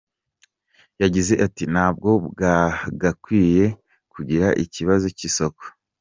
Yagize ati “Ntabwo bagakwiye kugira ikibazo cy’isoko.